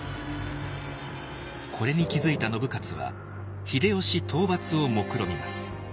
これに気付いた信雄は秀吉討伐をもくろみます。